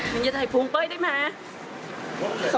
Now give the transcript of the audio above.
มึงจะถ่ายภูมิเป้ยได้ไหม